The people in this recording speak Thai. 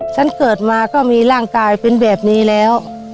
ฉันเกิดมาก็มีร่างกายเป็นแบบนี้แล้ว